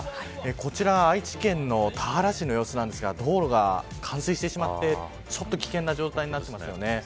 こちら、愛知県の田原市の様子なんですが道路が冠水してしまってちょっと危険な状態になってますよね。